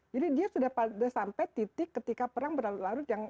jadi dia sudah sampai titik ketika perang berlarut larut yang